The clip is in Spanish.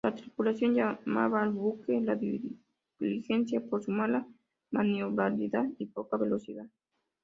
La tripulación llamaba al buque "la diligencia" por su mala maniobrabilidad y poca velocidad.